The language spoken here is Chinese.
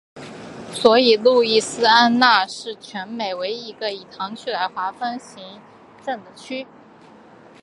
所以路易斯安那也是全美唯一一个以堂区来划分行政区划的州。